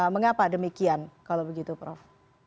mengapa demikian kalau begitu prof